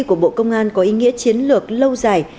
của bộ công an có ý nghĩa chiến lược lâu dài